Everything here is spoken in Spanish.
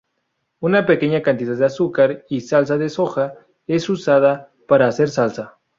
Una pequeña cantidad de azúcar y salsa de soja es usada para hacer salsa.